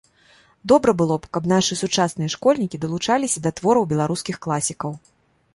Добра было б, каб нашы сучасныя школьнікі далучаліся да твораў беларускіх класікаў.